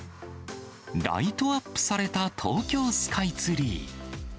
ライトアップされた東京スカイツリー。